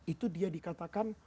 itu dia dikatakan